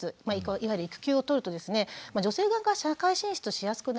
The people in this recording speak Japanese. いわゆる育休をとるとですね女性が社会進出しやすくなります。